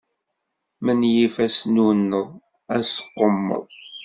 Menyif asnunneḍ asqummeḍ.